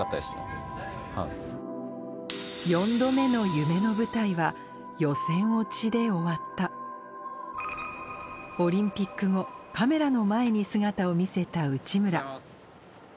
４度目の夢の舞台はで終わったオリンピック後カメラの前に姿を見せた内村